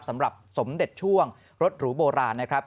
สำหรับสมเด็จช่วงรถหรูโบราณนะครับ